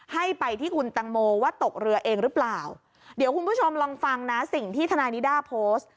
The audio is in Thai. ให้ไปที่คุณตังโมว่าตกเรือเองหรือเปล่าเดี๋ยวคุณผู้ชมลองฟังนะสิ่งที่ทนายนิด้าโพสต์